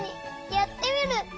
やってみる！